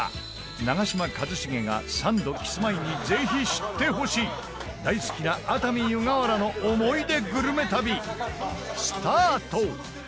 長嶋一茂がサンド、キスマイにぜひ知って欲しい大好きな熱海・湯河原の思い出グルメ旅、スタート！